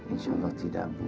insya allah tidak bu